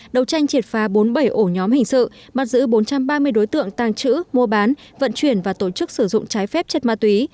đầu tranh triệt phá bốn mươi bảy ổ nhóm hình sự bắt giữ bốn trăm ba mươi đối tượng tàng trữ mua bán vận chuyển và tổ chức sử dụng trái phép chất ma túy